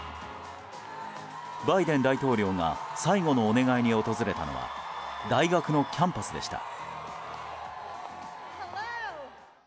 バイデン大統領が最後のお願いに訪れたのは大学のキャンパスでした。